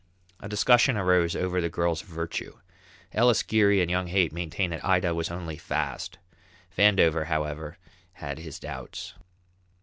A discussion arose over the girl's virtue. Ellis, Geary, and young Haight maintained that Ida was only fast; Vandover, however, had his doubts.